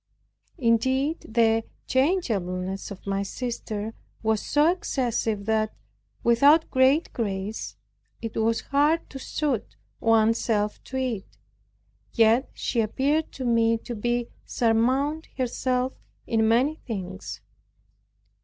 Indeed the changeableness of my sister was so excessive, that, without great grace, it was hard to suit one's self to it; yet she appeared to me to surmount herself in many things.